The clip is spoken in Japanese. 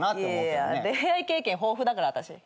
いや恋愛経験豊富だから私。